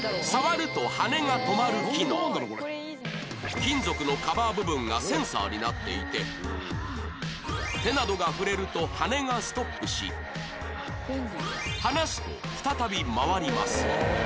金属のカバー部分がセンサーになっていて手などが触れると羽根がストップし離すと再び回ります